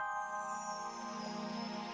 menyelidiki kasus ini